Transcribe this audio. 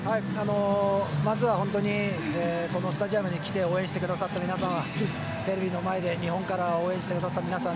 まずは本当にこのスタジアムに来て応援してくださった皆様テレビの前で、日本から応援してくださった皆様